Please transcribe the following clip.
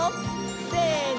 せの！